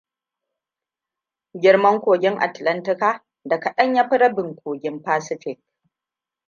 Girman Kogin Atlantika da kadan ya fi rabin kogin fasifik.